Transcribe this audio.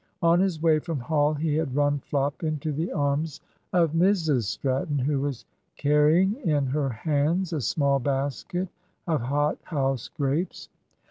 On his way from Hall he had run flop into the arms of Mrs Stratton, who was carrying in her hands a small basket of hothouse grapes.